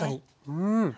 うん！